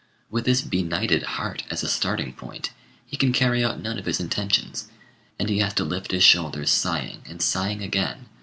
With this benighted heart as a starting point, he can carry out none of his intentions, and he has to lift his shoulders sighing and sighing again.